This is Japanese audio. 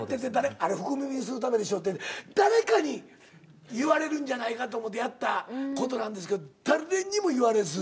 「あれ福耳にするためでしょ」って誰かに言われるんじゃないかと思ってやった事なんですけど誰にも言われず。